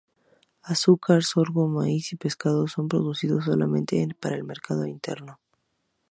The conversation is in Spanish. Azúcar, sorgo, maíz y pescado son producidos solamente para el mercado interno.